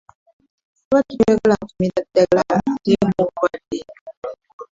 Lwaki toyagala kumira ddagala ate ng'oli mulwadde?